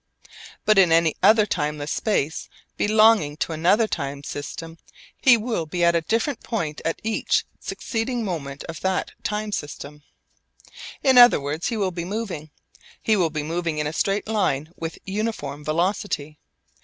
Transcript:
But in any other timeless space belonging to another time system he will be at a different point at each succeeding moment of that time system. In other words he will be moving. He will be moving in a straight line with uniform velocity.